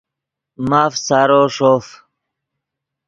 ماف سارو ݰوف